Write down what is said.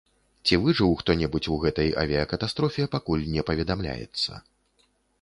Ці выжыў хто-небудзь у гэтай авіякатастрофе, пакуль не паведамляецца.